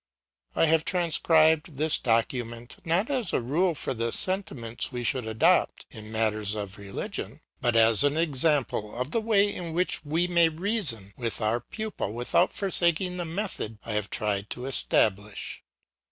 I have transcribed this document not as a rule for the sentiments we should adopt in matters of religion, but as an example of the way in which we may reason with our pupil without forsaking the method I have tried to establish.